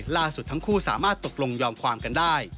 ล่าสุดทั้งคู่สามารถตกลงยอมความกันได้